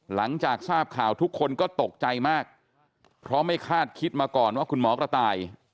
หลังจากทราบข่าวทุกคนก็ตกใจมากเพราะไม่คาดคิดมาก่อนว่าคุณหมอกระต่าย